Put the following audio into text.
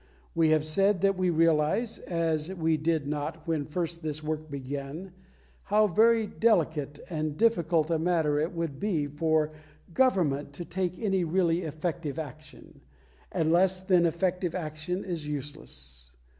We have said that we realise, as we did not when first this work began, how very delicate and difficult a matter it would be for Government to take any really effective action, and less than effective action is useless.